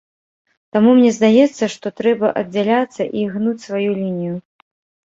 Таму мне здаецца, што трэба аддзяляцца і гнуць сваю лінію.